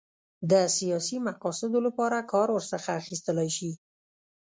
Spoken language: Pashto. د سیاسي مقاصدو لپاره کار ورڅخه اخیستلای شي.